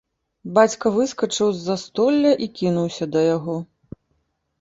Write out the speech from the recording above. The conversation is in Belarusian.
Бацька выскачыў з застолля і кінуўся да яго.